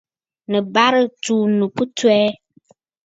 Nɨ̀ bàrà tsuu ɨnnù ki tswɛɛ.